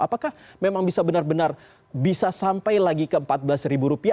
apakah memang bisa benar benar bisa sampai lagi ke empat belas